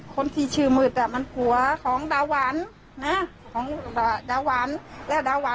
คนที่ชื่อมืดอ่ะมันหัวของดาวรรณนะของดาวรรณ